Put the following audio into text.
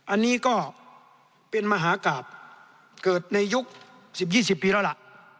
อันนี้ก็เป็นมหากราบเกิดในยุค๑๐๒๐ปีแล้วล่ะ